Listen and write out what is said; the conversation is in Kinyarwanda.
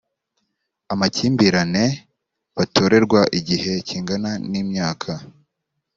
amakimbirane batorerwa igihe kingana n’ imyaka